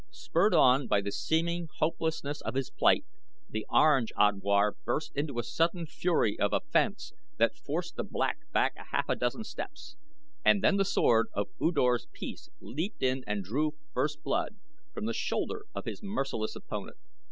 Spurred on by the seeming hopelessness of his plight, the Orange Odwar burst into a sudden fury of offense that forced the Black back a half dozen steps, and then the sword of U Dor's piece leaped in and drew first blood, from the shoulder of his merciless opponent.